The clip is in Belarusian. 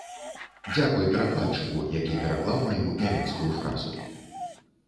Дзякуй перакладчыку, які пераклаў маю нямецкую фразу.